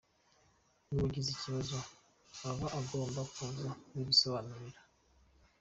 Nuwagize ikibazo aba agomba kuza kubidusobanurira.